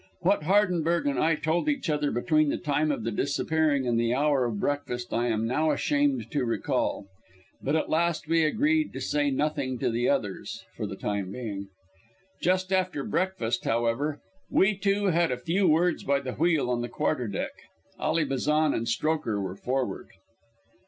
What Hardenberg and I told each other between the time of the disappearing and the hour of breakfast I am now ashamed to recall. But at last we agreed to say nothing to the others for the time being. Just after breakfast, however, we two had a few words by the wheel on the quarterdeck. Ally Bazan and Strokher were forward.